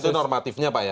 tapi itu normatifnya pak ya